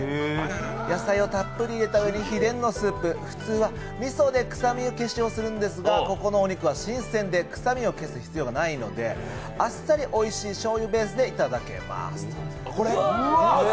野菜をたっぷり入れたうえに、秘伝のスープ、普通はみそで臭み消しをするんですがここのお肉は新鮮で、臭みを消す必要がないのであっさりおいしいしょうゆベースで頂けます。